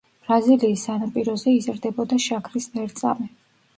ბრაზილიის სანაპიროზე იზრდებოდა შაქრის ლერწამი.